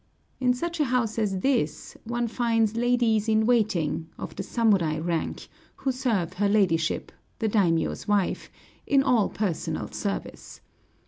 In such a house as this, one finds ladies in waiting, of the samurai rank, who serve her ladyship the daimiō's wife in all personal service.